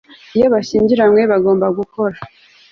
iyo bashyingiranywe, bagomba guhora